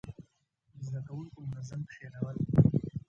د زده کوونکو منظم کښينول،